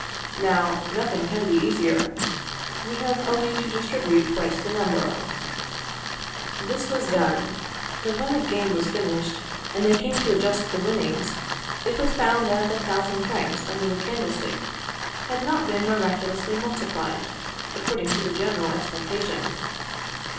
Now, nothing can be easier; we have only to distribute twice the number." This was done; but when the game was finished, and they came to adjust the winnings, it was found that the thousand francs under the candlestick had not been miraculously multiplied, according to the general expectation.